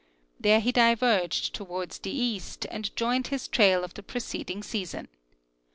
There he diverged toward the east and joined his trail of the preceding sea son.